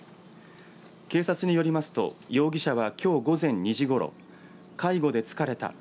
警察によりますと容疑者は、きょう午前２時ごろ介護で疲れた。